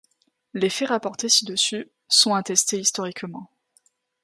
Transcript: Les faits rapportés ci-dessus sont attestés historiquement.